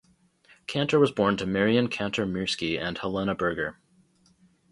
Kantor was born to Marian Kantor-Mirski and Helena Berger.